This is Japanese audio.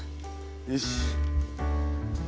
よし。